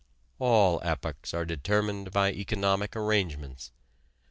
All epochs are determined by economic arrangements.